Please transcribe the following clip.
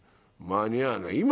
間に合わない。